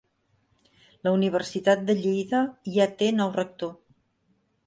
La Universitat de Lleida ja té nou rector